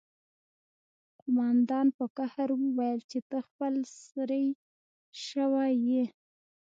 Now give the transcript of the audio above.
قومندان په قهر وویل چې ته خپل سری شوی یې